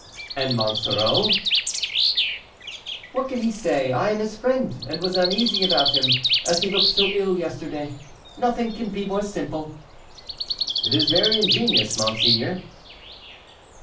"And Monsoreau?" "What can he say? I am his friend, and was uneasy about him, as he looked so ill yesterday; nothing can be more simple." "It is very ingenious, monseigneur."